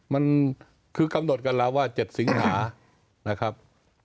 มันคือกำหนดกันแล้วว่า๗สิงหานะครับ